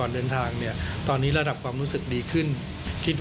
การเดินทางไปรับน้องมินครั้งนี้คือต้องใช้อุปกรณ์ทุกอย่างเหมือนกับมีไอซียูอยู่บนเครื่องบินอยู่